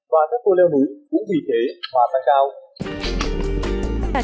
và các cô leo núi cũng vì thế mà tăng cao